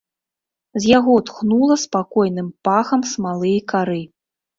З яго тхнула спакойным пахам смалы і кары.